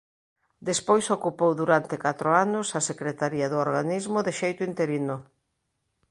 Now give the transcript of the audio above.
Despois ocupou durante catro anos a secretaría do organismo de xeito interino.